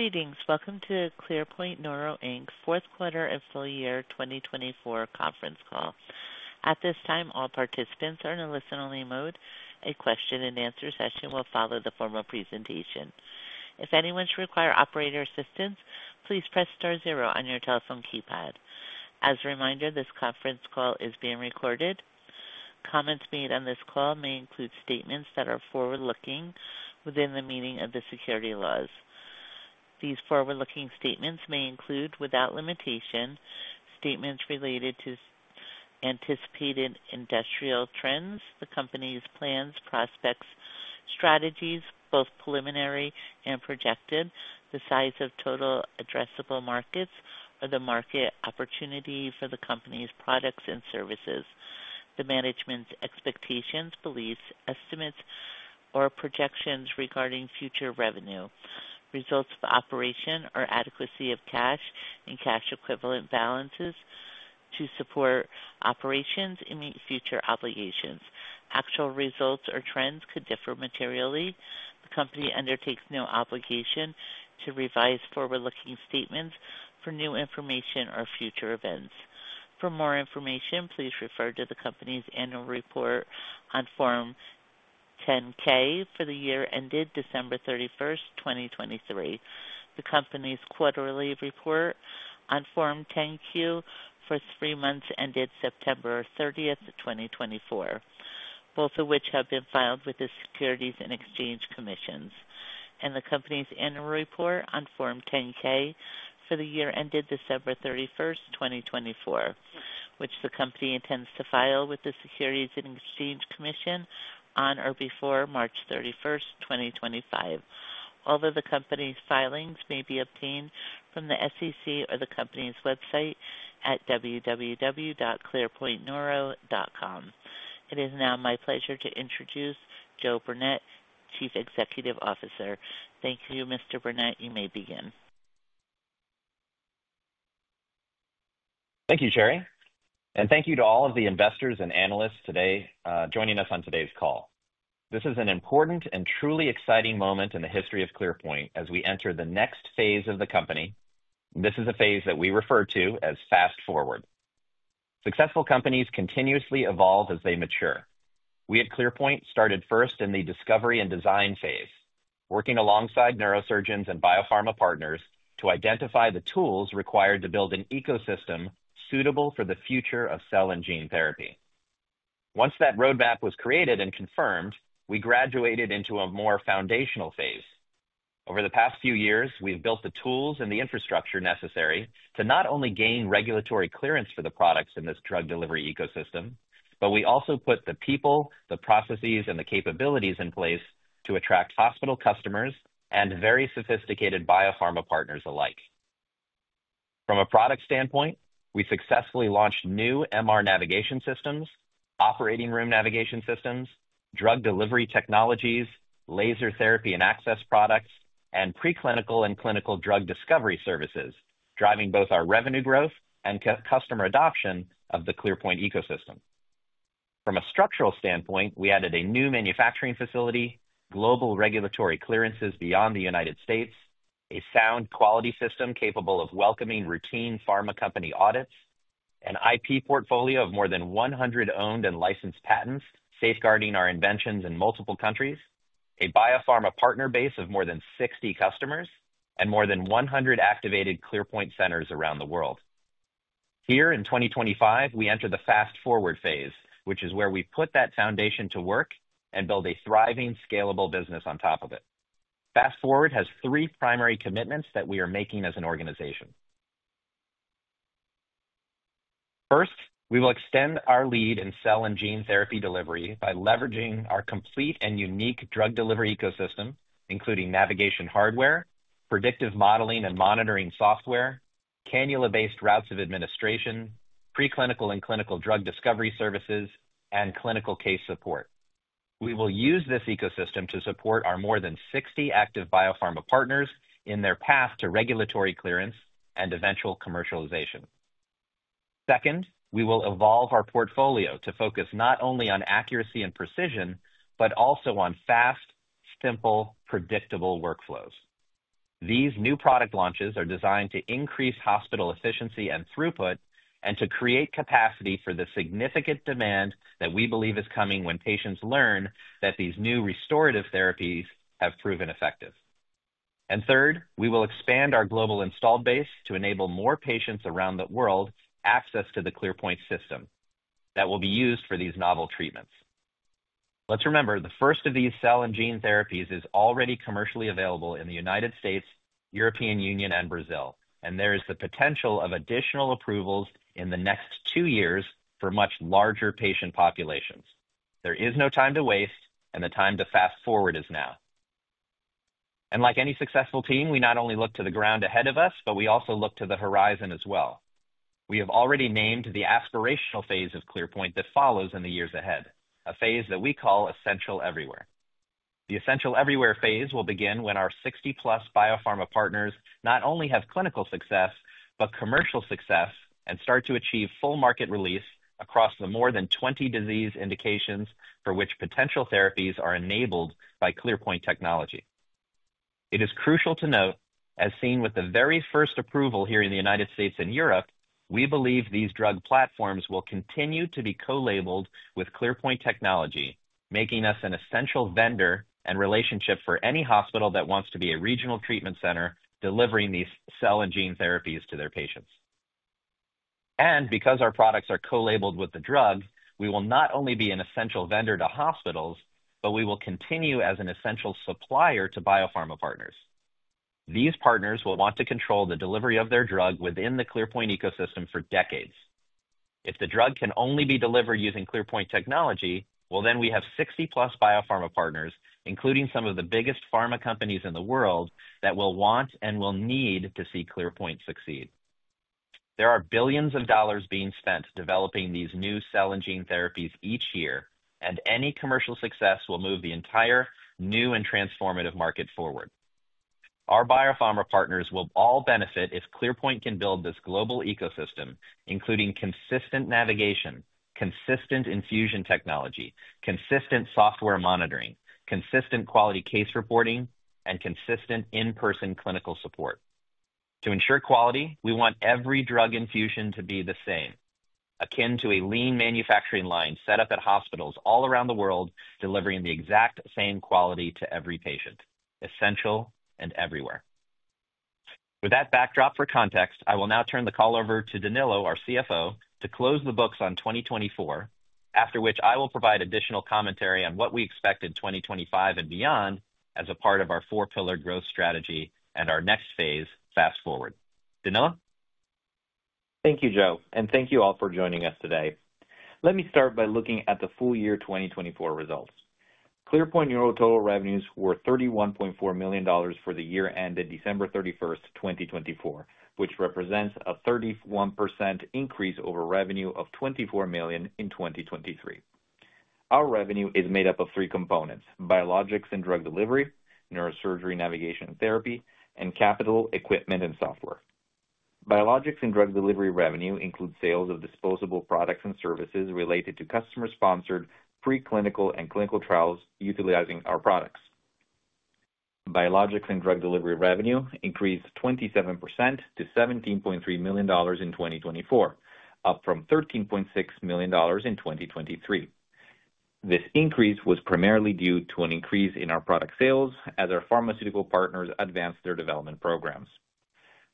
Greetings. Welcome to ClearPoint Neuro Joe Burnett, fourth quarter of fiscal year 2024 conference call. At this time, all participants are in a listen-only mode. A question-and-answer session will follow the formal presentation. If anyone should require operator assistance, please press star zero on your telephone keypad. As a reminder, this conference call is being recorded. Comments made on this call may include statements that are forward-looking within the meaning of the securities laws. These forward-looking statements may include, without limitation, statements related to anticipated industrial trends, the company's plans, prospects, strategies, both preliminary and projected, the size of total addressable markets, or the market opportunity for the company's products and services, the management's expectations, beliefs, estimates, or projections regarding future revenue, results of operation, or adequacy of cash and cash equivalent balances to support operations and future obligations. Actual results or trends could differ materially. The company undertakes no obligation to revise forward-looking statements for new information or future events. For more information, please refer to the company's annual report on Form 10-K for the year ended December 31st, 2023, the company's quarterly report on Form 10-Q for three months ended September 30th, 2024, both of which have been filed with the Securities and Exchange Commission, and the company's annual report on Form 10-K for the year ended December 31st, 2024, which the company intends to file with the Securities and Exchange Commission on or before March 31st, 2025. Although the company's filings may be obtained from the SEC or the company's website at www.clearpointneuro.com, it is now my pleasure to introduce Joe Burnett, Chief Executive Officer. Thank you, Mr. Burnett, you may begin. Thank you, Sherry. Thank you to all of the investors and analysts today joining us on today's call. This is an important and truly exciting moment in the history of ClearPoint as we enter the next phase of the company. This is a phase that we refer to as Fast Forward. Successful companies continuously evolve as they mature. We at ClearPoint started first in the discovery and design phase, working alongside neurosurgeons and biopharma partners to identify the tools required to build an ecosystem suitable for the future of cell and gene therapy. Once that roadmap was created and confirmed, we graduated into a more foundational phase. Over the past few years, we've built the tools and the infrastructure necessary to not only gain regulatory clearance for the products in this drug delivery ecosystem, but we also put the people, the processes, and the capabilities in place to attract hospital customers and very sophisticated biopharma partners alike. From a product standpoint, we successfully launched new MR navigation systems, operating room navigation systems, drug delivery technologies, laser therapy and access products, and preclinical and clinical drug discovery services, driving both our revenue growth and customer adoption of the ClearPoint ecosystem. From a structural standpoint, we added a new manufacturing facility, global regulatory clearances beyond the United States, a sound quality system capable of welcoming routine pharma company audits, an IP portfolio of more than 100 owned and licensed patents safeguarding our inventions in multiple countries, a biopharma partner base of more than 60 customers, and more than 100 activated ClearPoint centers around the world. Here in 2025, we enter the Fast Forward phase, which is where we put that foundation to work and build a thriving, scalable business on top of it. Fast forward has three primary commitments that we are making as an organization. First, we will extend our lead in cell and gene therapy delivery by leveraging our complete and unique drug delivery ecosystem, including navigation hardware, predictive modeling and monitoring software, cannula-based routes of administration, preclinical and clinical drug discovery services, and clinical case support. We will use this ecosystem to support our more than 60 active biopharma partners in their path to regulatory clearance and eventual commercialization. Second, we will evolve our portfolio to focus not only on accuracy and precision, but also on fast, simple, predictable workflows. These new product launches are designed to increase hospital efficiency and throughput and to create capacity for the significant demand that we believe is coming when patients learn that these new restorative therapies have proven effective. And third, we will expand our global installed base to enable more patients around the world access to the ClearPoint system that will be used for these novel treatments. Let's remember, the first of these cell and gene therapies is already commercially available in the United States, European Union, and Brazil, and there is the potential of additional approvals in the next two years for much larger patient populations. There is no time to waste, and the time to Fast Forward is now, and like any successful team, we not only look to the ground ahead of us, but we also look to the horizon as well. We have already named the aspirational phase of ClearPoint that follows in the years ahead, a phase that we call Essential Everywhere. The Essential Everywhere phase will begin when our 60-plus biopharma partners not only have clinical success, but commercial success and start to achieve full market release across the more than 20 disease indications for which potential therapies are enabled by ClearPoint technology. It is crucial to note, as seen with the very first approval here in the United States and Europe, we believe these drug platforms will continue to be co-labeled with ClearPoint technology, making us an essential vendor and relationship for any hospital that wants to be a regional treatment center delivering these cell and gene therapies to their patients, and because our products are co-labeled with the drug, we will not only be an essential vendor to hospitals, but we will continue as an essential supplier to biopharma partners. These partners will want to control the delivery of their drug within the ClearPoint ecosystem for decades. If the drug can only be delivered using ClearPoint technology, well, then we have 60-plus biopharma partners, including some of the biggest pharma companies in the world, that will want and will need to see ClearPoint succeed. There are billions of dollars being spent developing these new cell and gene therapies each year, and any commercial success will move the entire new and transformative market forward. Our biopharma partners will all benefit if ClearPoint can build this global ecosystem, including consistent navigation, consistent infusion technology, consistent software monitoring, consistent quality case reporting, and consistent in-person clinical support. To ensure quality, we want every drug infusion to be the same, akin to a lean manufacturing line set up at hospitals all around the world, delivering the exact same quality to every patient, essential and everywhere. With that backdrop for context, I will now turn the call over to Danilo, our CFO, to close the books on 2024, after which I will provide additional commentary on what we expect in 2025 and beyond as a part of our four-pillar growth strategy and our next phase, Fast Forward. Danilo? Thank you, Joe, and thank you all for joining us today. Let me start by looking at the full year 2024 results. ClearPoint Neuro total revenues were $31.4 million for the year ended December 31st, 2024, which represents a 31% increase over revenue of $24 million in 2023. Our revenue is made up of three components: Biologics and Drug Delivery, Neurosurgery Navigation and Therapy, and Capital Equipment and Software. Biologics and Drug Delivery revenue includes sales of disposable products and services related to customer-sponsored preclinical and clinical trials utilizing our products. Biologics and Drug Delivery revenue increased 27% to $17.3 million in 2024, up from $13.6 million in 2023. This increase was primarily due to an increase in our product sales as our pharmaceutical partners advanced their development programs.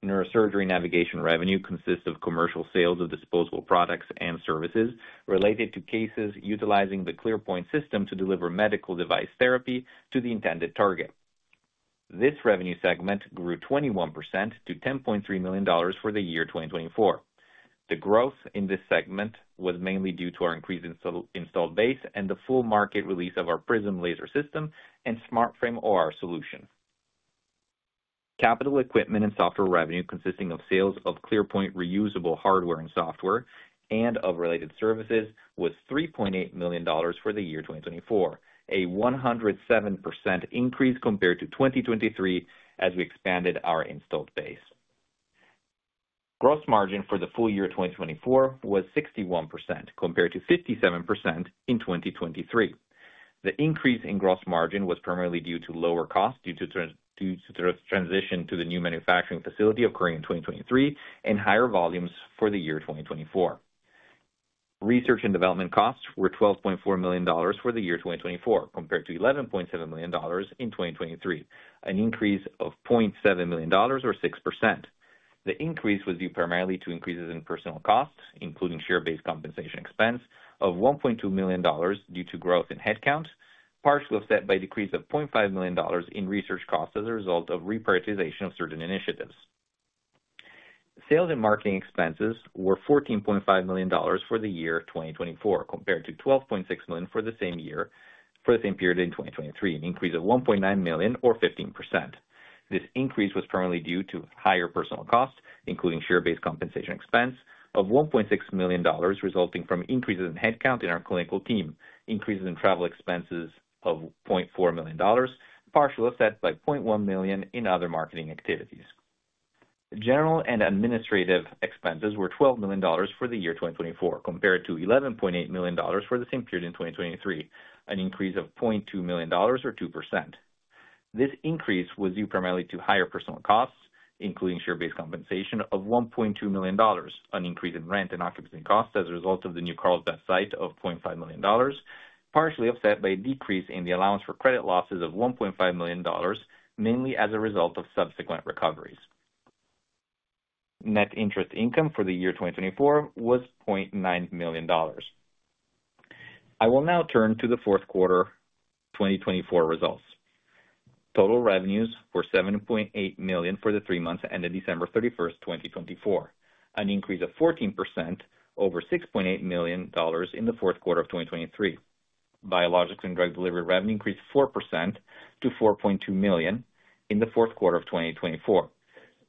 Neurosurgery navigation revenue consists of commercial sales of disposable products and services related to cases utilizing the ClearPoint system to deliver medical device therapy to the intended target. This revenue segment grew 21% to $10.3 million for the year 2024. The growth in this segment was mainly due to our increased installed base and the full market release of our Prism laser system and SmartFrame OR solution. Capital Equipment and Software revenue consisting of sales of ClearPoint reusable hardware and software and of related services was $3.8 million for the year 2024, a 107% increase compared to 2023 as we expanded our installed base. Gross margin for the full year 2024 was 61% compared to 57% in 2023. The increase in gross margin was primarily due to lower costs due to the transition to the new manufacturing facility occurring in 2023 and higher volumes for the year 2024. Research and development costs were $12.4 million for the year 2024 compared to $11.7 million in 2023, an increase of $0.7 million or 6%. The increase was due primarily to increases in personnel costs, including share-based compensation expense of $1.2 million due to growth in headcount, partially offset by a decrease of $0.5 million in research costs as a result of reprioritization of certain initiatives. Sales and marketing expenses were $14.5 million for the year 2024 compared to $12.6 million for the same year for the same period in 2023, an increase of $1.9 million or 15%. This increase was primarily due to higher personnel costs, including share-based compensation expense of $1.6 million resulting from increases in headcount in our clinical team, increases in travel expenses of $0.4 million, partially offset by $0.1 million in other marketing activities. General and administrative expenses were $12 million for the year 2024 compared to $11.8 million for the same period in 2023, an increase of $0.2 million or 2%. This increase was due primarily to higher personnel costs, including share-based compensation of $1.2 million, an increase in rent and occupancy costs as a result of the new Carlsbad site of $0.5 million, partially offset by a decrease in the allowance for credit losses of $1.5 million, mainly as a result of subsequent recoveries. Net interest income for the year 2024 was $0.9 million. I will now turn to the fourth quarter 2024 results. Total revenues were $7.8 million for the three months that ended December 31st, 2024, an increase of 14% over $6.8 million in the fourth quarter of 2023. Biologics and Drug Delivery revenue increased 4% to $4.2 million in the fourth quarter of 2024.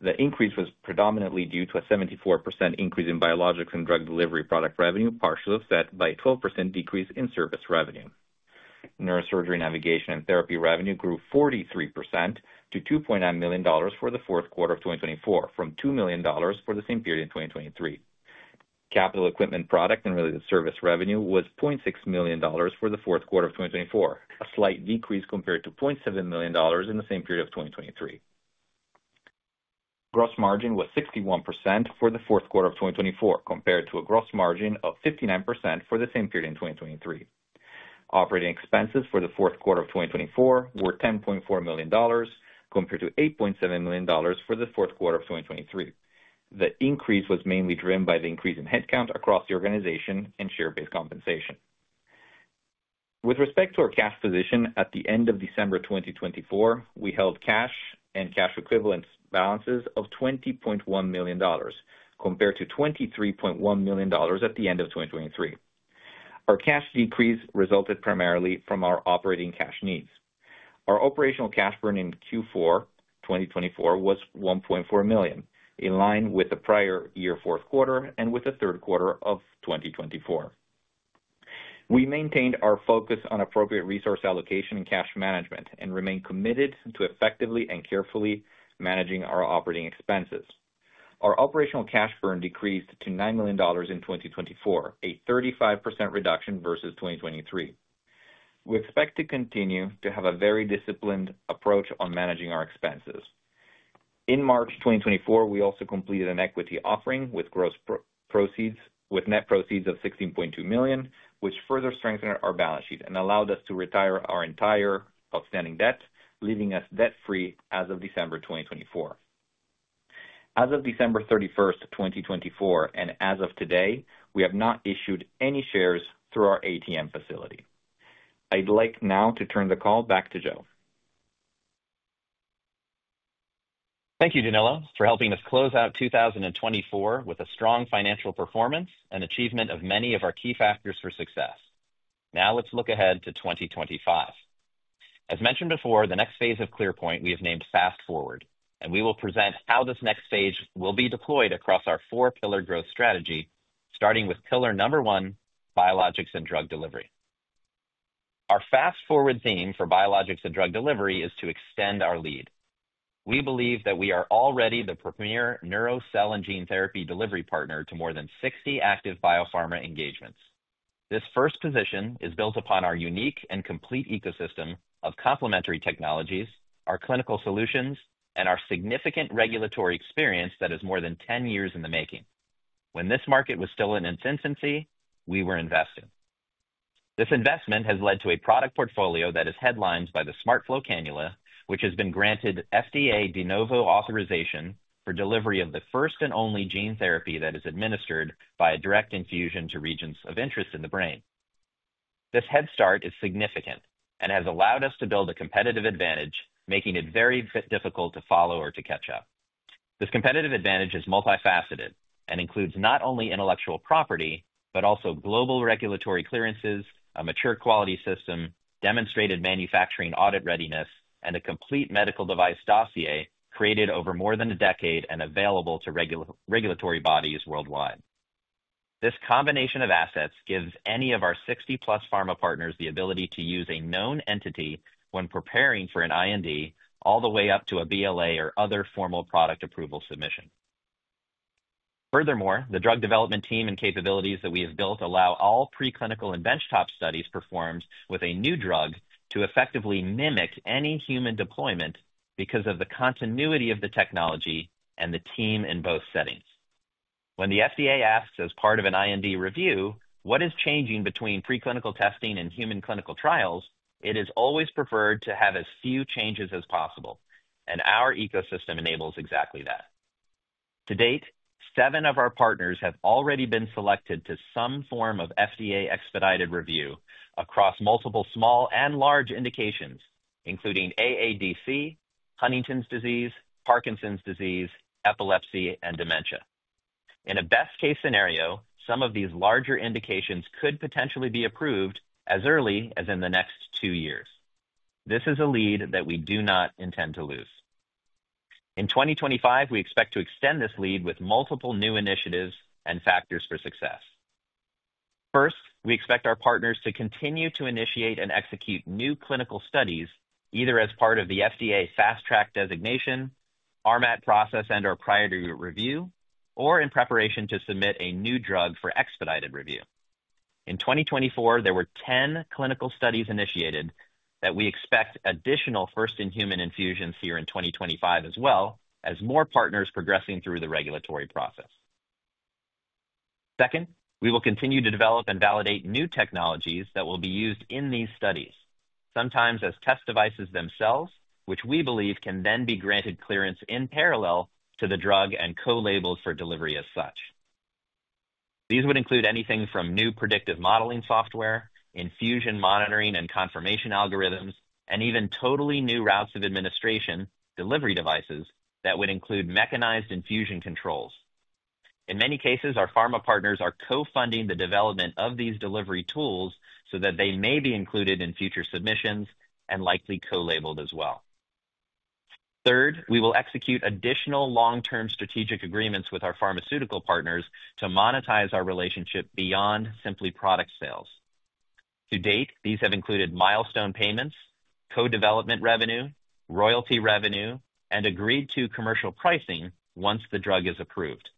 The increase was predominantly due to a 74% increase in Biologics and Drug Delivery product revenue, partially offset by a 12% decrease in service revenue. Neurosurgery Navigation and Therapy revenue grew 43% to $2.9 million for the fourth quarter of 2024, from $2 million for the same period in 2023. Capital, equipment, product, and related service revenue was $0.6 million for the fourth quarter of 2024, a slight decrease compared to $0.7 million in the same period of 2023. Gross margin was 61% for the fourth quarter of 2024 compared to a gross margin of 59% for the same period in 2023. Operating expenses for the fourth quarter of 2024 were $10.4 million compared to $8.7 million for the fourth quarter of 2023. The increase was mainly driven by the increase in headcount across the organization and share-based compensation. With respect to our cash position at the end of December 2024, we held cash and cash equivalent balances of $20.1 million compared to $23.1 million at the end of 2023. Our cash decrease resulted primarily from our operating cash needs. Our operational cash burn in Q4 2024 was $1.4 million, in line with the prior year fourth quarter and with the third quarter of 2024. We maintained our focus on appropriate resource allocation and cash management and remained committed to effectively and carefully managing our operating expenses. Our operational cash burn decreased to $9 million in 2024, a 35% reduction versus 2023. We expect to continue to have a very disciplined approach on managing our expenses. In March 2024, we also completed an equity offering with net proceeds of $16.2 million, which further strengthened our balance sheet and allowed us to retire our entire outstanding debt, leaving us debt-free as of December 2024. As of December 31st, 2024, and as of today, we have not issued any shares through our ATM facility. I'd like now to turn the call back to Joe. Thank you, Danilo, for helping us close out 2024 with a strong financial performance and achievement of many of our key factors for success. Now let's look ahead to 2025. As mentioned before, the next phase of ClearPoint we have named Fast Forward, and we will present how this next phase will be deployed across our four-pillar growth strategy, starting with pillar number one, Biologics and Drug Delivery. Our Fast Forward theme for Biologics and Drug Delivery is to extend our lead. We believe that we are already the premier neuro, cell, and gene therapy delivery partner to more than 60 active biopharma engagements. This first position is built upon our unique and complete ecosystem of complementary technologies, our clinical solutions, and our significant regulatory experience that is more than 10 years in the making. When this market was still in its infancy, we were investing. This investment has led to a product portfolio that is headlined by the SmartFlow Cannula, which has been granted FDA De Novo authorization for delivery of the first and only gene therapy that is administered by a direct infusion to regions of interest in the brain. This head start is significant and has allowed us to build a competitive advantage, making it very difficult to follow or to catch up. This competitive advantage is multifaceted and includes not only intellectual property, but also global regulatory clearances, a mature quality system, demonstrated manufacturing audit readiness, and a complete medical device dossier created over more than a decade and available to regulatory bodies worldwide. This combination of assets gives any of our 60-plus pharma partners the ability to use a known entity when preparing for an IND all the way up to a BLA or other formal product approval submission. Furthermore, the drug development team and capabilities that we have built allow all preclinical and benchtop studies performed with a new drug to effectively mimic any human deployment because of the continuity of the technology and the team in both settings. When the FDA asks as part of an IND review, what is changing between preclinical testing and human clinical trials, it is always preferred to have as few changes as possible, and our ecosystem enables exactly that. To date, seven of our partners have already been selected to some form of FDA-expedited review across multiple small and large indications, including AADC, Huntington's disease, Parkinson's disease, epilepsy, and dementia. In a best-case scenario, some of these larger indications could potentially be approved as early as in the next two years. This is a lead that we do not intend to lose. In 2025, we expect to extend this lead with multiple new initiatives and factors for success. First, we expect our partners to continue to initiate and execute new clinical studies, either as part of the FDA Fast Track designation, RMAT process, and our priority review, or in preparation to submit a new drug for expedited review. In 2024, there were 10 clinical studies initiated. That we expect additional first-in-human infusions here in 2025 as well, as more partners progressing through the regulatory process. Second, we will continue to develop and validate new technologies that will be used in these studies, sometimes as test devices themselves, which we believe can then be granted clearance in parallel to the drug and co-labels for delivery as such. These would include anything from new predictive modeling software, infusion monitoring and confirmation algorithms, and even totally new routes of administration delivery devices that would include mechanized infusion controls. In many cases, our pharma partners are co-funding the development of these delivery tools so that they may be included in future submissions and likely co-labeled as well. Third, we will execute additional long-term strategic agreements with our pharmaceutical partners to monetize our relationship beyond simply product sales. To date, these have included milestone payments, co-development revenue, royalty revenue, and agreed-to commercial pricing once the drug is approved.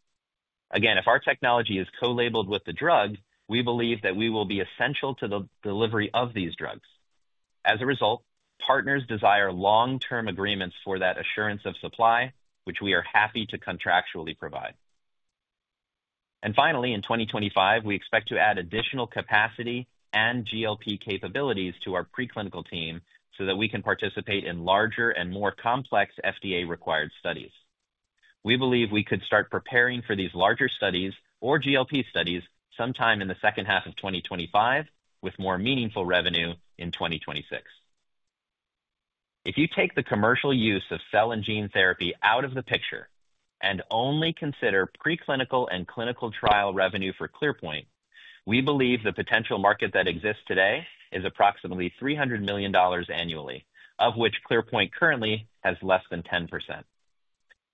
Again, if our technology is co-labeled with the drug, we believe that we will be essential to the delivery of these drugs. As a result, partners desire long-term agreements for that assurance of supply, which we are happy to contractually provide. Finally, in 2025, we expect to add additional capacity and GLP capabilities to our preclinical team so that we can participate in larger and more complex FDA-required studies. We believe we could start preparing for these larger studies or GLP studies sometime in the second half of 2025 with more meaningful revenue in 2026. If you take the commercial use of cell and gene therapy out of the picture and only consider preclinical and clinical trial revenue for ClearPoint, we believe the potential market that exists today is approximately $300 million annually, of which ClearPoint currently has less than 10%.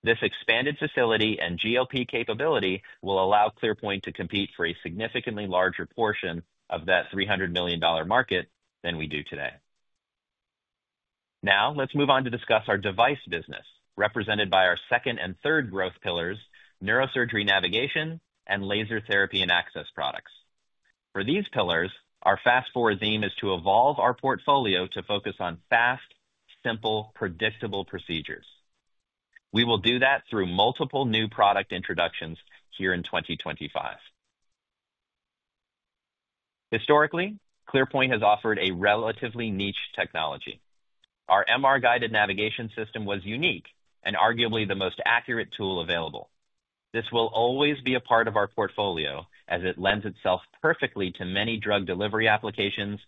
This expanded facility and GLP capability will allow ClearPoint to compete for a significantly larger portion of that $300 million market than we do today. Now let's move on to discuss our device business, represented by our second and third growth pillars, neurosurgery navigation and laser therapy and access products. For these pillars, our Fast Forward theme is to evolve our portfolio to focus on fast, simple, predictable procedures. We will do that through multiple new product introductions here in 2025. Historically, ClearPoint has offered a relatively niche technology. Our MR-guided navigation system was unique and arguably the most accurate tool available. This will always be a part of our portfolio as it lends itself perfectly to many drug delivery applications,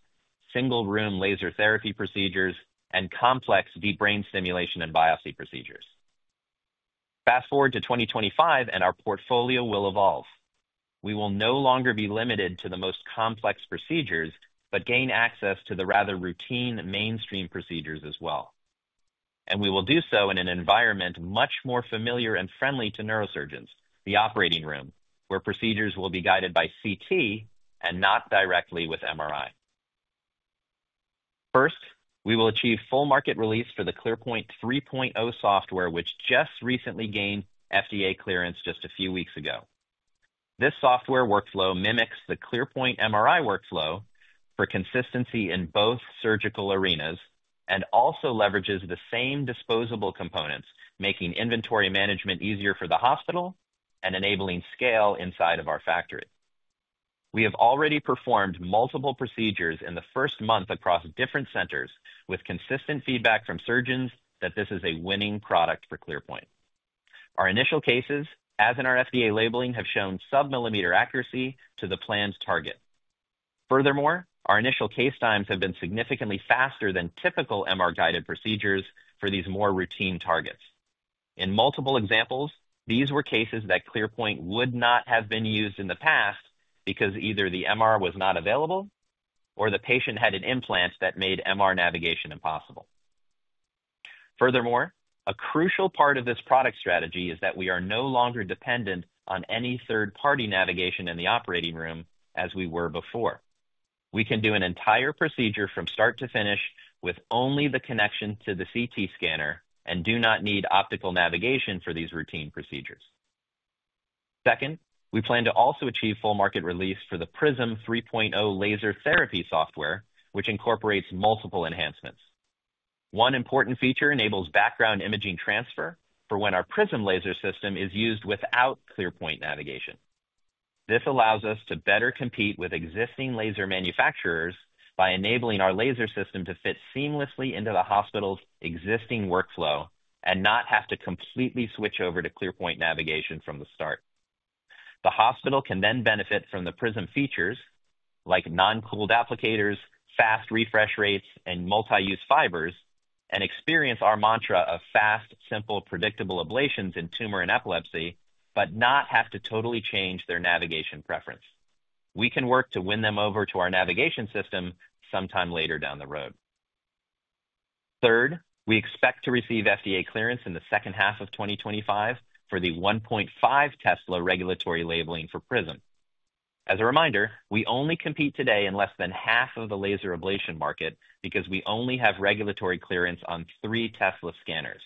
single-room laser therapy procedures, and complex deep brain stimulation and biopsy procedures. Fast forward to 2025, and our portfolio will evolve. We will no longer be limited to the most complex procedures, but gain access to the rather routine mainstream procedures as well. and we will do so in an environment much more familiar and friendly to neurosurgeons, the operating room, where procedures will be guided by CT and not directly with MRI. First, we will achieve full market release for the ClearPoint 3.0 software, which just recently gained FDA clearance just a few weeks ago. This software workflow mimics the ClearPoint MRI workflow for consistency in both surgical arenas and also leverages the same disposable components, making inventory management easier for the hospital and enabling scale inside of our factory. We have already performed multiple procedures in the first month across different centers with consistent feedback from surgeons that this is a winning product for ClearPoint. Our initial cases, as in our FDA labeling, have shown sub-millimeter accuracy to the planned target. Furthermore, our initial case times have been significantly faster than typical MR-guided procedures for these more routine targets. In multiple examples, these were cases that ClearPoint would not have been used in the past because either the MR was not available or the patient had an implant that made MR navigation impossible. Furthermore, a crucial part of this product strategy is that we are no longer dependent on any third-party navigation in the operating room as we were before. We can do an entire procedure from start to finish with only the connection to the CT scanner and do not need optical navigation for these routine procedures. Second, we plan to also achieve full market release for the Prism 3.0 laser therapy software, which incorporates multiple enhancements. One important feature enables background imaging transfer for when our Prism laser system is used without ClearPoint navigation. This allows us to better compete with existing laser manufacturers by enabling our laser system to fit seamlessly into the hospital's existing workflow and not have to completely switch over to ClearPoint navigation from the start. The hospital can then benefit from the Prism features, like non-cooled applicators, fast refresh rates, and multi-use fibers, and experience our mantra of fast, simple, predictable ablations in tumor and epilepsy, but not have to totally change their navigation preference. We can work to win them over to our navigation system sometime later down the road. Third, we expect to receive FDA clearance in the second half of 2025 for the 1.5 Tesla regulatory labeling for Prism. As a reminder, we only compete today in less than half of the laser ablation market because we only have regulatory clearance on three Tesla scanners.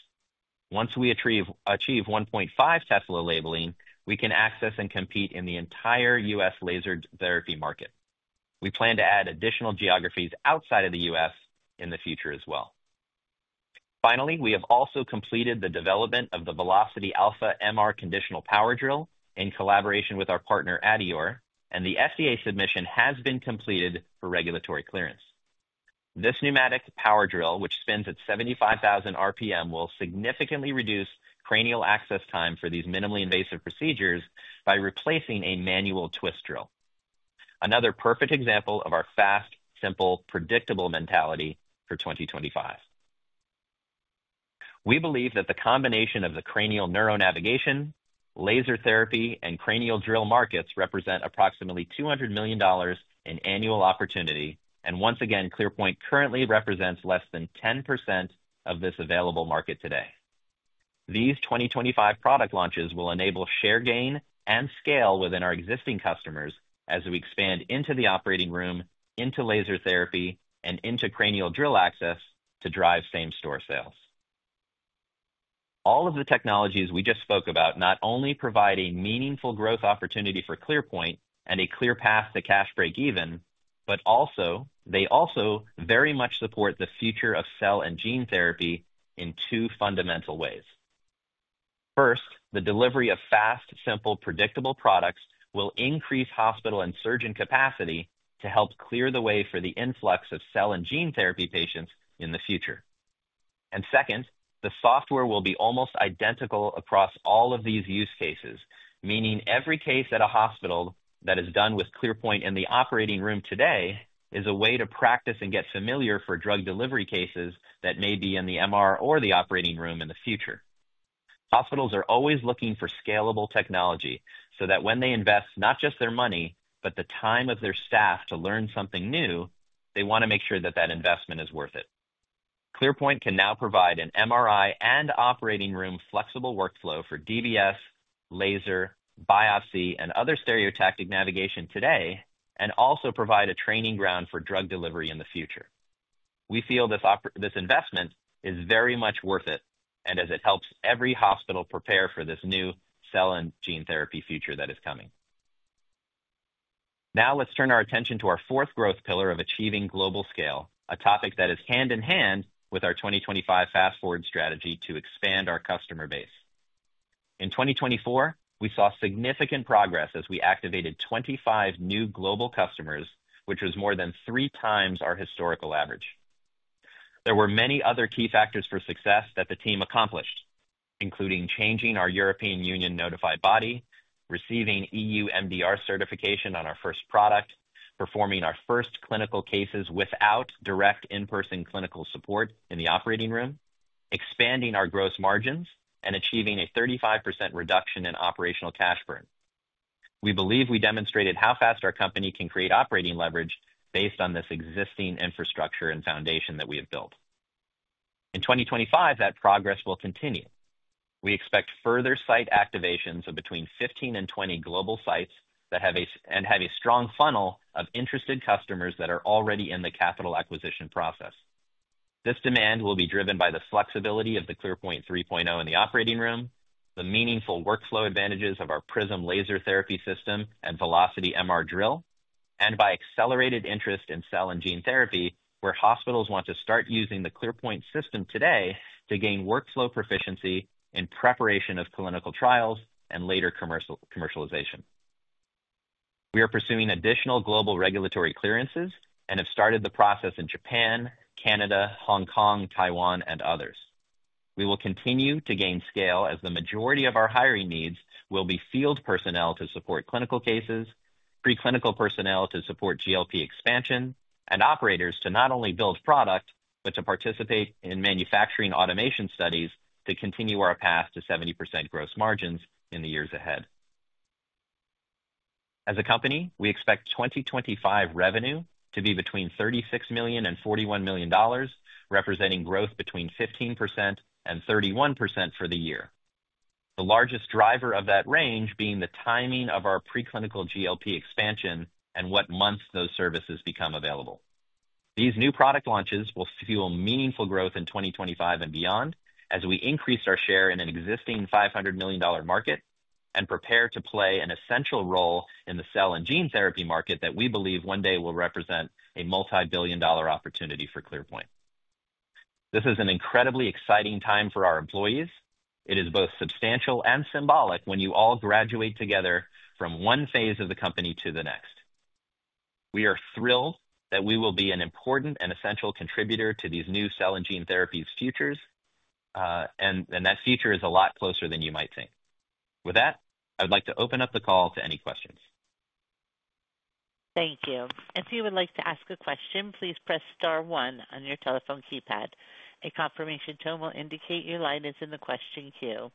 Once we achieve 1.5 Tesla labeling, we can access and compete in the entire U.S. laser therapy market. We plan to add additional geographies outside of the U.S. in the future as well. Finally, we have also completed the development of the Velocity Alpha MR Conditional Power Drill in collaboration with our partner adeor, and the FDA submission has been completed for regulatory clearance. This pneumatic power drill, which spins at 75,000 RPM, will significantly reduce cranial access time for these minimally invasive procedures by replacing a manual twist drill. Another perfect example of our fast, simple, predictable mentality for 2025. We believe that the combination of the cranial neuro navigation, laser therapy, and cranial drill markets represent approximately $200 million in annual opportunity, and once again, ClearPoint currently represents less than 10% of this available market today. These 2025 product launches will enable share gain and scale within our existing customers as we expand into the operating room, into laser therapy, and into cranial drill access to drive same-store sales. All of the technologies we just spoke about not only provide a meaningful growth opportunity for ClearPoint and a clear path to cash break even, but also they also very much support the future of cell and gene therapy in two fundamental ways. First, the delivery of fast, simple, predictable products will increase hospital and surgeon capacity to help clear the way for the influx of cell and gene therapy patients in the future. And second, the software will be almost identical across all of these use cases, meaning every case at a hospital that is done with ClearPoint in the operating room today is a way to practice and get familiar for drug delivery cases that may be in the MR or the operating room in the future. Hospitals are always looking for scalable technology so that when they invest not just their money, but the time of their staff to learn something new, they want to make sure that that investment is worth it. ClearPoint can now provide an MRI and operating room flexible workflow for DBS, laser, biopsy, and other stereotactic navigation today, and also provide a training ground for drug delivery in the future. We feel this investment is very much worth it, and as it helps every hospital prepare for this new cell and gene therapy future that is coming. Now let's turn our attention to our fourth growth pillar of achieving global scale, a topic that is hand in hand with our 2025 Fast Forward strategy to expand our customer base. In 2024, we saw significant progress as we activated 25 new global customers, which was more than three times our historical average. There were many other key factors for success that the team accomplished, including changing our European Union notified body, receiving EU MDR certification on our first product, performing our first clinical cases without direct in-person clinical support in the operating room, expanding our gross margins, and achieving a 35% reduction in operational cash burn. We believe we demonstrated how fast our company can create operating leverage based on this existing infrastructure and foundation that we have built. In 2025, that progress will continue. We expect further site activations of between 15 and 20 global sites that have a strong funnel of interested customers that are already in the capital acquisition process. This demand will be driven by the flexibility of the ClearPoint 3.0 in the operating room, the meaningful workflow advantages of our Prism laser therapy system and Velocity MR Drill, and by accelerated interest in cell and gene therapy where hospitals want to start using the ClearPoint system today to gain workflow proficiency in preparation of clinical trials and later commercialization. We are pursuing additional global regulatory clearances and have started the process in Japan, Canada, Hong Kong, Taiwan, and others. We will continue to gain scale as the majority of our hiring needs will be field personnel to support clinical cases, preclinical personnel to support GLP expansion, and operators to not only build product, but to participate in manufacturing automation studies to continue our path to 70% gross margins in the years ahead. As a company, we expect 2025 revenue to be between $36 million and $41 million, representing growth between 15% and 31% for the year. The largest driver of that range being the timing of our preclinical GLP expansion and what months those services become available. These new product launches will fuel meaningful growth in 2025 and beyond as we increase our share in an existing $500 million market and prepare to play an essential role in the cell and gene therapy market that we believe one day will represent a multi-billion dollar opportunity for ClearPoint. This is an incredibly exciting time for our employees. It is both substantial and symbolic when you all graduate together from one phase of the company to the next. We are thrilled that we will be an important and essential contributor to these new cell and gene therapies futures, and that future is a lot closer than you might think. With that, I would like to open up the call to any questions. Thank you. If you would like to ask a question, please press Star 1 on your telephone keypad. A confirmation tone will indicate your line is in the question queue.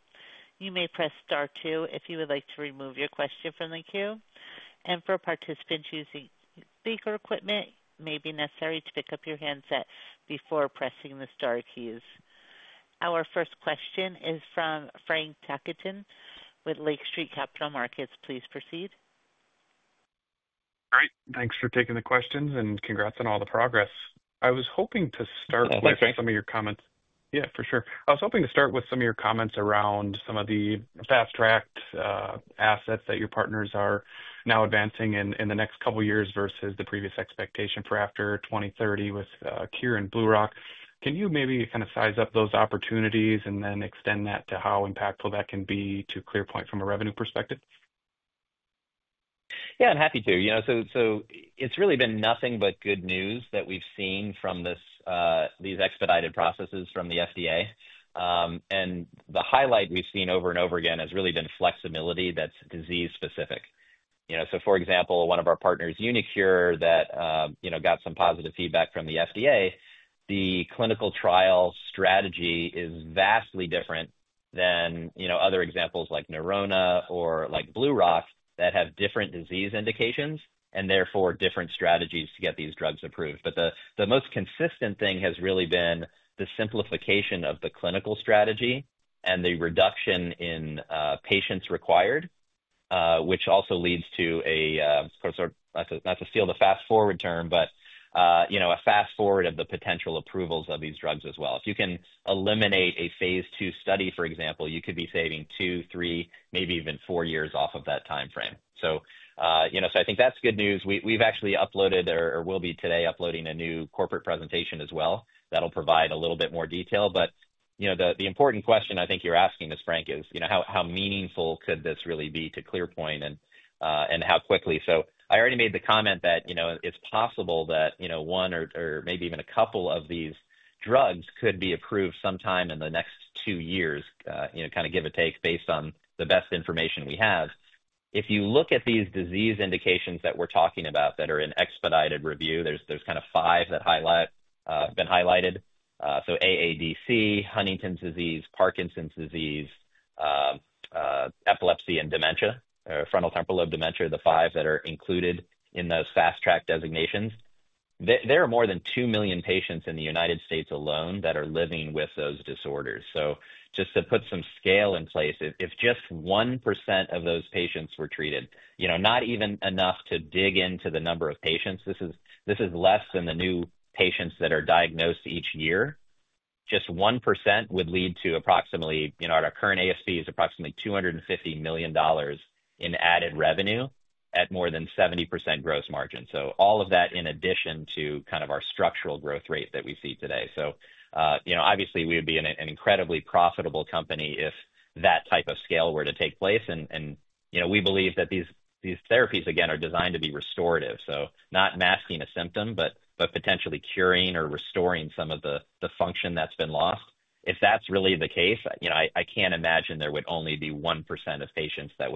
You may press Star 2 if you would like to remove your question from the queue. And for participants using speaker equipment, it may be necessary to pick up your handset before pressing the Star keys. Our first question is from Frank Takkinen with Lake Street Capital Markets. Please proceed. Great. Thanks for taking the questions and congrats on all the progress. I was hoping to start with some of your comments. Yeah, for sure. I was hoping to start with some of your comments around some of the fast-tracked assets that your partners are now advancing in the next couple of years versus the previous expectation for after 2030 with uniQure and BlueRock. Can you maybe kind of size up those opportunities and then extend that to how impactful that can be to ClearPoint from a revenue perspective? Yeah, I'm happy to. So it's really been nothing but good news that we've seen from these expedited processes from the FDA. And the highlight we've seen over and over again has really been flexibility that's disease-specific. For example, one of our partners, uniQure, that got some positive feedback from the FDA, the clinical trial strategy is vastly different than other examples like Neurona or BlueRock that have different disease indications and therefore different strategies to get these drugs approved. But the most consistent thing has really been the simplification of the clinical strategy and the reduction in patients required, which also leads to a, not to steal the Fast Forward term, but a Fast Forward of the potential approvals of these drugs as well. If you can eliminate a phase two study, for example, you could be saving two, three, maybe even four years off of that timeframe. So I think that's good news. We've actually uploaded, or will be today uploading a new corporate presentation as well that'll provide a little bit more detail. The important question I think you're asking us, Frank, is how meaningful could this really be to ClearPoint and how quickly. So I already made the comment that it's possible that one or maybe even a couple of these drugs could be approved sometime in the next two years, kind of give or take based on the best information we have. If you look at these disease indications that we're talking about that are in expedited review, there's kind of five that have been highlighted. So AADC, Huntington's disease, Parkinson's disease, epilepsy, and dementia, or frontotemporal dementia, the five that are included in those fast-track designations. There are more than 2 million patients in the United States alone that are living with those disorders. So just to put some scale in place, if just 1% of those patients were treated, not even enough to dig into the number of patients, this is less than the new patients that are diagnosed each year. Just 1% would lead to approximately, our current ASP is approximately $250 million in added revenue at more than 70% gross margin. So all of that in addition to kind of our structural growth rate that we see today. So obviously, we would be an incredibly profitable company if that type of scale were to take place. And we believe that these therapies, again, are designed to be restorative. So not masking a symptom, but potentially curing or restoring some of the function that's been lost. If that's really the case, I can't imagine there would only be 1% of patients that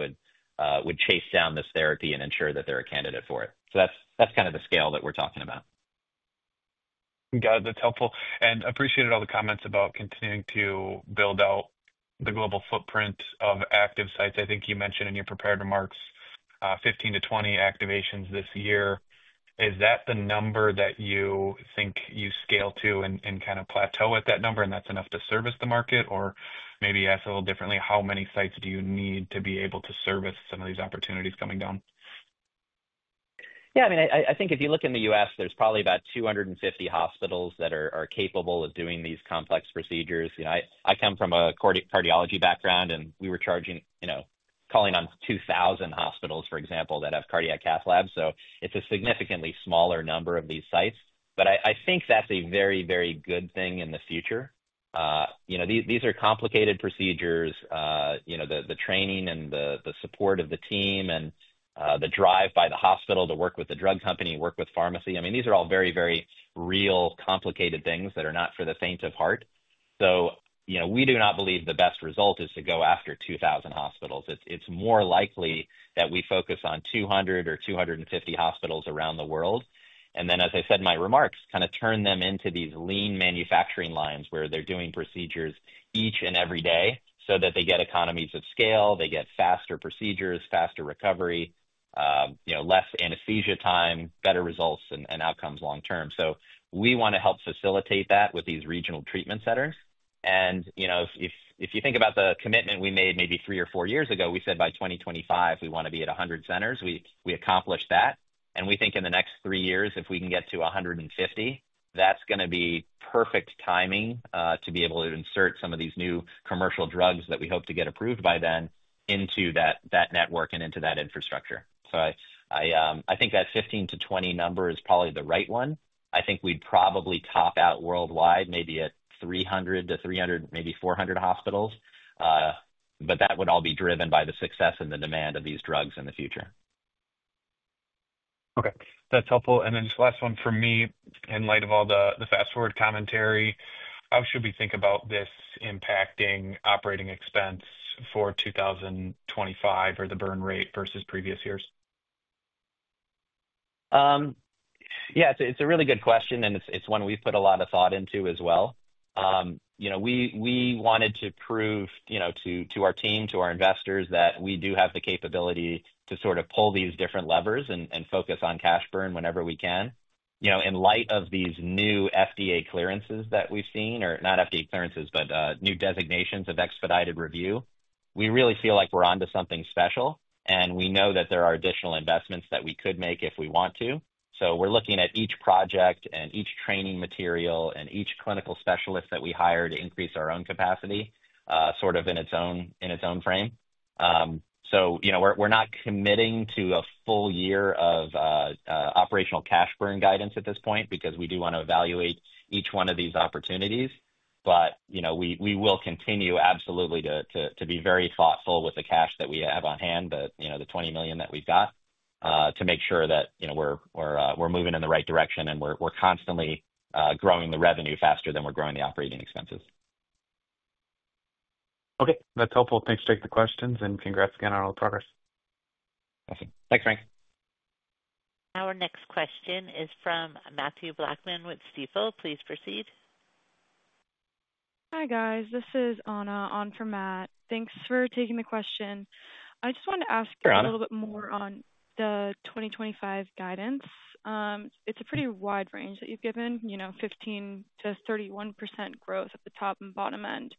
would chase down this therapy and ensure that they're a candidate for it. So that's kind of the scale that we're talking about. Got it. That's helpful and appreciated all the comments about continuing to build out the global footprint of active sites. I think you mentioned in your prepared remarks 15-20 activations this year. Is that the number that you think you scale to and kind of plateau at that number, and that's enough to service the market? Or maybe ask a little differently, how many sites do you need to be able to service some of these opportunities coming down? Yeah, I mean, I think if you look in the U.S., there's probably about 250 hospitals that are capable of doing these complex procedures. I come from a cardiology background, and we were calling on 2,000 hospitals, for example, that have cardiac cath labs. So it's a significantly smaller number of these sites. But I think that's a very, very good thing in the future. These are complicated procedures. The training and the support of the team and the drive by the hospital to work with the drug company, work with pharmacy, I mean, these are all very, very real complicated things that are not for the faint of heart. So we do not believe the best result is to go after 2,000 hospitals. It's more likely that we focus on 200 or 250 hospitals around the world. And then, as I said in my remarks, kind of turn them into these lean manufacturing lines where they're doing procedures each and every day so that they get economies of scale, they get faster procedures, faster recovery, less anesthesia time, better results and outcomes long term. So we want to help facilitate that with these regional treatment centers. And if you think about the commitment we made maybe three or four years ago, we said by 2025, we want to be at 100 centers. We accomplished that. And we think in the next three years, if we can get to 150, that's going to be perfect timing to be able to insert some of these new commercial drugs that we hope to get approved by then into that network and into that infrastructure. So I think that 15-20 number is probably the right one. I think we'd probably top out worldwide maybe at 300 to 300, maybe 400 hospitals. But that would all be driven by the success and the demand of these drugs in the future. Okay. That's helpful. And then just last one for me, in light of all the Fast Track commentary, how should we think about this impacting operating expense for 2025 or the burn rate versus previous years? Yeah, it's a really good question, and it's one we've put a lot of thought into as well. We wanted to prove to our team, to our investors, that we do have the capability to sort of pull these different levers and focus on cash burn whenever we can. In light of these new FDA clearances that we've seen, or not FDA clearances, but new designations of expedited review, we really feel like we're on to something special. We know that there are additional investments that we could make if we want to. So we're looking at each project and each training material and each clinical specialist that we hired to increase our own capacity sort of in its own frame. So we're not committing to a full year of operational cash burn guidance at this point because we do want to evaluate each one of these opportunities. But we will continue absolutely to be very thoughtful with the cash that we have on hand, the $20 million that we've got, to make sure that we're moving in the right direction and we're constantly growing the revenue faster than we're growing the operating expenses. Okay. That's helpful. Thanks for taking the questions, and congrats again on all the progress. Awesome. Thanks, Frank. Our next question is from Mathew Blackman with Stifel. Please proceed. Hi guys. This is Ann from Matt. Thanks for taking the question. I just wanted to ask a little bit more on the 2025 guidance. It's a pretty wide range that you've given, 15%-31% growth at the top and bottom end.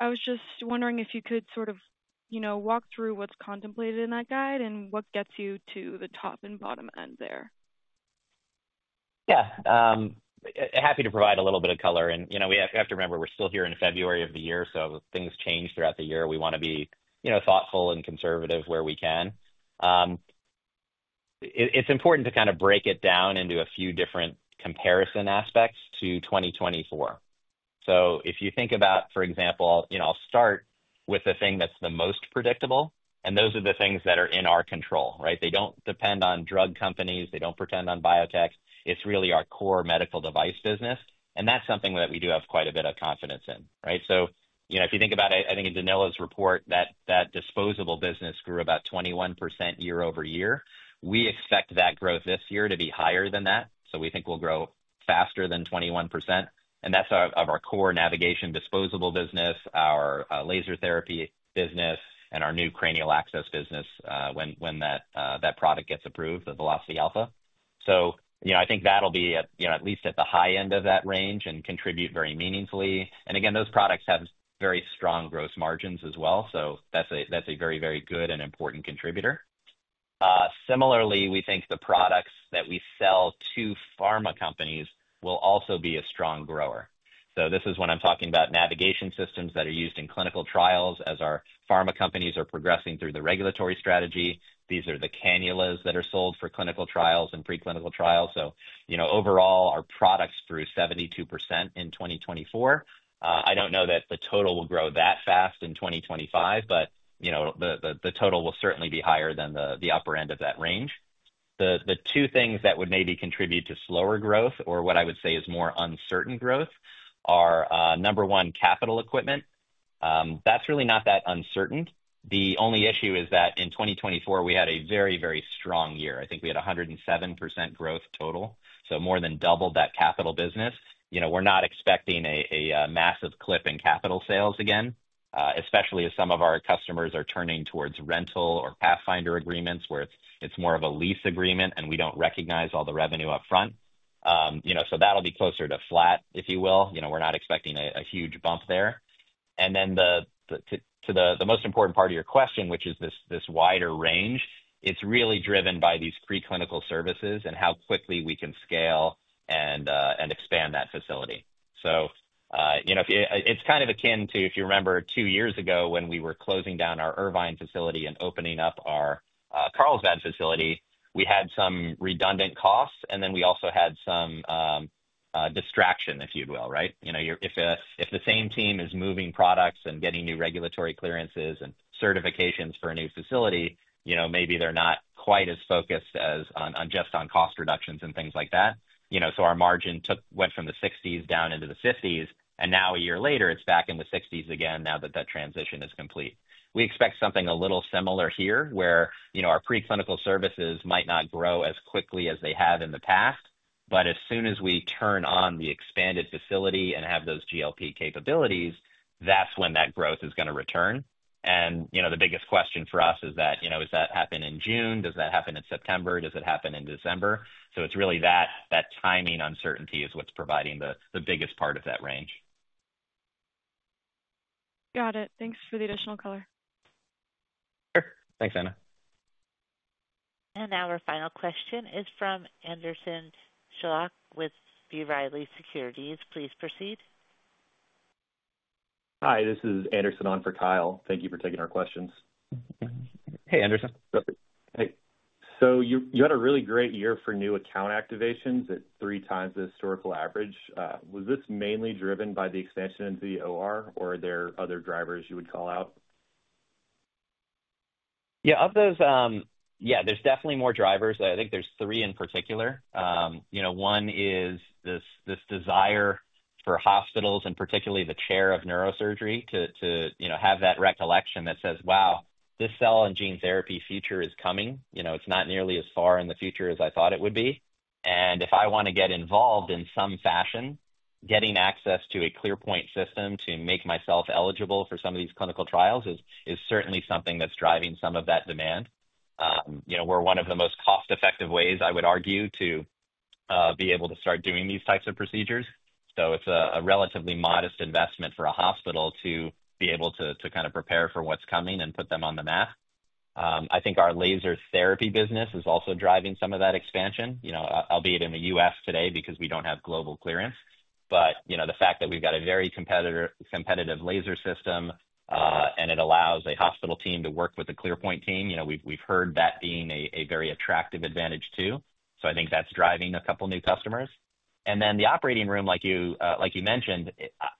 I was just wondering if you could sort of walk through what's contemplated in that guide and what gets you to the top and bottom end there. Yeah. Happy to provide a little bit of color, and we have to remember, we're still here in February of the year, so things change throughout the year. We want to be thoughtful and conservative where we can. It's important to kind of break it down into a few different comparison aspects to 2024. So if you think about, for example, I'll start with the thing that's the most predictable, and those are the things that are in our control, right? They don't depend on drug companies. They don't depend on biotech. It's really our core medical device business. And that's something that we do have quite a bit of confidence in, right? So if you think about, I think in Danilo's report, that disposable business grew about 21% year over year. We expect that growth this year to be higher than that. So we think we'll grow faster than 21%. And that's of our core navigation disposable business, our laser therapy business, and our new cranial access business when that product gets approved, the Velocity Alpha. So I think that'll be at least at the high end of that range and contribute very meaningfully. And again, those products have very strong gross margins as well. So that's a very, very good and important contributor. Similarly, we think the products that we sell to pharma companies will also be a strong grower. So this is when I'm talking about navigation systems that are used in clinical trials as our pharma companies are progressing through the regulatory strategy. These are the cannulas that are sold for clinical trials and preclinical trials. So overall, our products grew 72% in 2024. I don't know that the total will grow that fast in 2025, but the total will certainly be higher than the upper end of that range. The two things that would maybe contribute to slower growth, or what I would say is more uncertain growth, are number one, capital equipment. That's really not that uncertain. The only issue is that in 2024, we had a very, very strong year. I think we had 107% growth total, so more than doubled that capital business. We're not expecting a massive clip in capital sales again, especially as some of our customers are turning towards rental or Pathfinder agreements where it's more of a lease agreement and we don't recognize all the revenue upfront. So that'll be closer to flat, if you will. We're not expecting a huge bump there, and then to the most important part of your question, which is this wider range, it's really driven by these preclinical services and how quickly we can scale and expand that facility. It's kind of akin to, if you remember, two years ago when we were closing down our Irvine facility and opening up our Carlsbad facility. We had some redundant costs, and then we also had some distraction, if you will, right? If the same team is moving products and getting new regulatory clearances and certifications for a new facility, maybe they're not quite as focused just on cost reductions and things like that. Our margin went from the 60s down into the 50s, and now a year later, it's back in the 60s again now that that transition is complete. We expect something a little similar here where our preclinical services might not grow as quickly as they have in the past, but as soon as we turn on the expanded facility and have those GLP capabilities, that's when that growth is going to return. The biggest question for us is that: does that happen in June? Does that happen in September? Does it happen in December? So it's really that timing uncertainty is what's providing the biggest part of that range. Got it. Thanks for the additional color. Sure. Thanks, Anna. Our final question is from Anderson Shock with B. Riley Securities. Please proceed. Hi, this is Anderson on for Kyle. Thank you for taking our questions. Hey, Anderson. Hey. So you had a really great year for new account activations at three times the historical average. Was this mainly driven by the expansion into the OR, or are there other drivers you would call out? Yeah, yeah, there's definitely more drivers. I think there's three in particular. One is this desire for hospitals, and particularly the chair of neurosurgery, to have that recollection that says, "Wow, this cell and gene therapy future is coming. It's not nearly as far in the future as I thought it would be." And if I want to get involved in some fashion, getting access to a ClearPoint System to make myself eligible for some of these clinical trials is certainly something that's driving some of that demand. We're one of the most cost-effective ways, I would argue, to be able to start doing these types of procedures. So it's a relatively modest investment for a hospital to be able to kind of prepare for what's coming and put them on the map. I think our laser therapy business is also driving some of that expansion, albeit in the U.S. today because we don't have global clearance. But the fact that we've got a very competitive laser system and it allows a hospital team to work with the ClearPoint team, we've heard that being a very attractive advantage too. So I think that's driving a couple of new customers. And then the operating room, like you mentioned,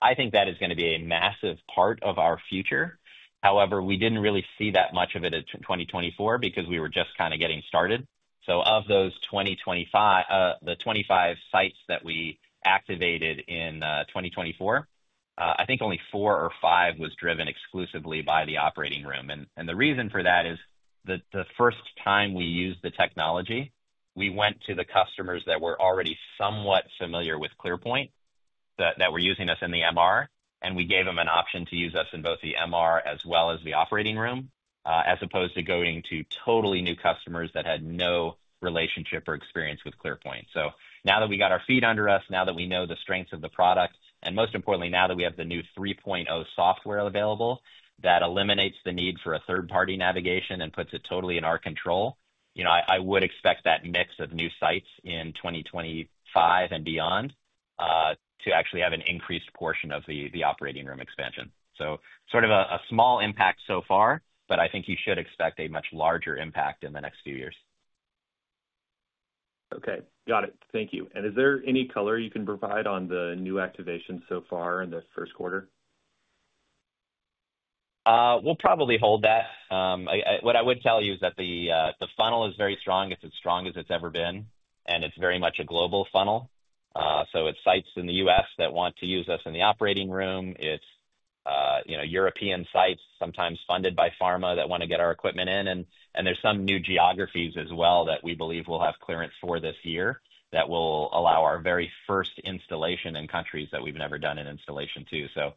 I think that is going to be a massive part of our future. However, we didn't really see that much of it in 2024 because we were just kind of getting started. So of the 25 sites that we activated in 2024, I think only four or five was driven exclusively by the operating room. The reason for that is the first time we used the technology, we went to the customers that were already somewhat familiar with ClearPoint that were using us in the MR, and we gave them an option to use us in both the MR as well as the operating room, as opposed to going to totally new customers that had no relationship or experience with ClearPoint. Now that we got our feet under us, now that we know the strengths of the product, and most importantly, now that we have the new 3.0 software available that eliminates the need for a third-party navigation and puts it totally in our control, I would expect that mix of new sites in 2025 and beyond to actually have an increased portion of the operating room expansion. So sort of a small impact so far, but I think you should expect a much larger impact in the next few years. Okay. Got it. Thank you. And is there any color you can provide on the new activation so far in the first quarter? We'll probably hold that. What I would tell you is that the funnel is very strong. It's as strong as it's ever been, and it's very much a global funnel. So it's sites in the U.S. that want to use us in the operating room. It's European sites sometimes funded by pharma that want to get our equipment in. And there's some new geographies as well that we believe we'll have clearance for this year that will allow our very first installation in countries that we've never done an installation to. So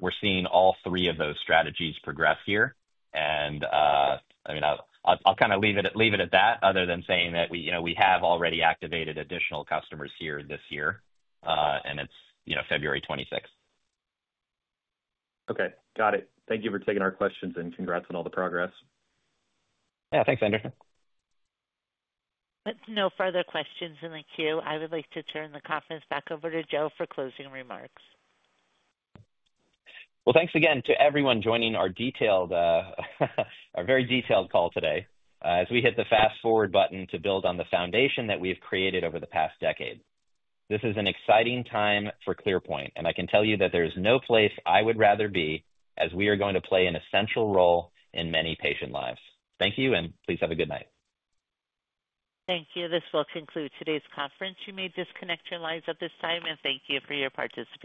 we're seeing all three of those strategies progress here. I mean, I'll kind of leave it at that other than saying that we have already activated additional customers here this year, and it's February 26th. Okay. Got it. Thank you for taking our questions and congrats on all the progress. Yeah. Thanks, Anderson. With no further questions in the queue, I would like to turn the conference back over to Joe for closing remarks. Well, thanks again to everyone joining our very detailed call today as we hit the Fast Forward button to build on the foundation that we've created over the past decade. This is an exciting time for ClearPoint, and I can tell you that there is no place I would rather be as we are going to play an essential role in many patient lives. Thank you, and please have a good night. Thank you. This will conclude today's conference. You may disconnect your lines at this time, and thank you for your participation.